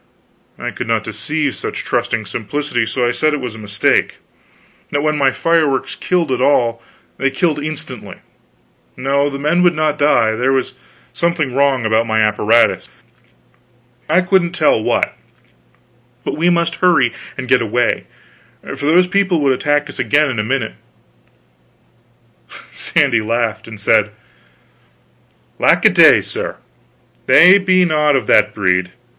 I could not deceive such trusting simplicity, so I said it was a mistake; that when my fireworks killed at all, they killed instantly; no, the men would not die, there was something wrong about my apparatus, I couldn't tell what; but we must hurry and get away, for those people would attack us again, in a minute. Sandy laughed, and said: "Lack a day, sir, they be not of that breed!